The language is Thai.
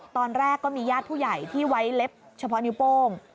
ตอนแรกก็มีญาติผู้ใหญ่ที่ไว้เล็บเฉพาะนิ้วโป้ง